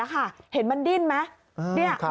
เห็นมันดิ้นไหม